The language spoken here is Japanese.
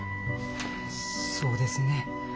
そうですね。